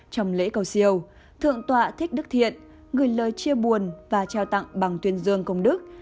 trong lễ cầu siêu thượng tọa thích đức thiện gửi lời chia buồn và trao tặng bằng tuyên dương công đức